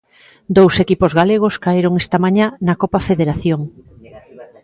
Dous equipos galegos caeron esta mañá na Copa Federación.